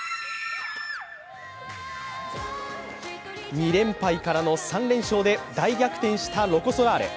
２連敗から３連勝で大逆転したロコ・ソラーレ。